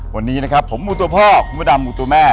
วันนี้นะครับผมหมูตัวพ่อคุณพระดำหมูตัวแม่